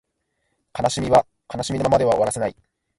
悲しみは悲しみのままでは終わらせない